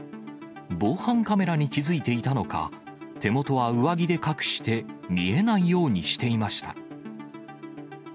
防犯カメラに気付いていたのか、手元は上着で隠して、見えないようにしていました。